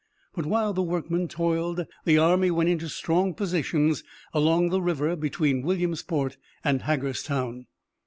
But while the workmen toiled the army went into strong positions along the river between Williamsport and Hagerstown.